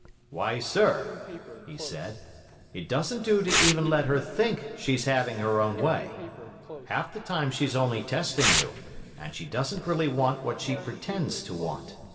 Why, sir,' he said, 'it doesn't do to even let her think she's having her own way; half the time she's only testing you, and she doesn't really want what she pretends to want.